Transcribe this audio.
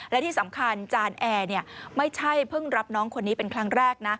และที่สำคัญจานแอร์ไม่ใช่เพิ่งรับน้องคนนี้เป็นครั้งแรกนะ